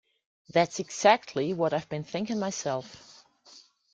That's exactly what I've been thinking myself.